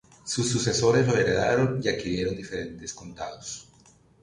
Sus sucesores lo heredaron y adquirieron diferentes condados.